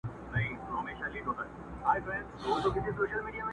اباسین بیا څپې څپې دی؛